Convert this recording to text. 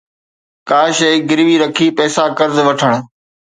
ڪا شيءِ گروي رکي پئسا قرض وٺڻ